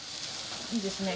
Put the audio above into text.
いいですね。